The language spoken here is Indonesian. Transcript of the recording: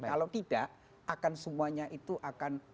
kalau tidak akan semuanya itu akan